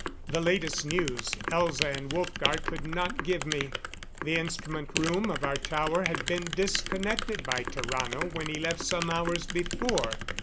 The latest news, Elza and Wolfgar could not give me. The instrument room of our tower had been disconnected by Tarrano when he left some hours before.